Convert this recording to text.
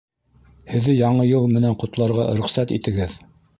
Һеҙҙе Яңы йыл менән ҡотларға рөхсәт итегеҙ!